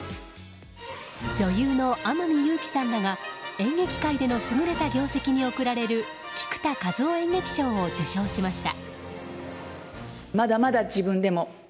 女優の天海祐希さんらが演劇界での優れた業績に贈られる菊田一夫演劇賞を受賞しました。